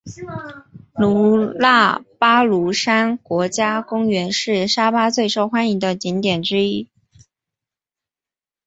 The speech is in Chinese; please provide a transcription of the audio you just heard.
基纳巴卢山国家公园是沙巴最受欢迎的景点之一。